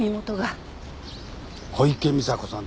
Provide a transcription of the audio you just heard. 小池美砂子さん。